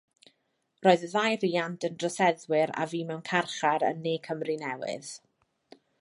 Roedd y ddau riant yn droseddwyr a fu mewn carchar yn Ne Cymru Newydd.